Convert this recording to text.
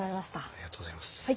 ありがとうございます。